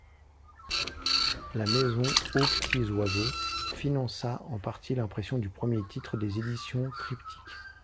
La maison O-Pti-Zoizo finança en partie l'impression du premier titre des Éditions Triptyque.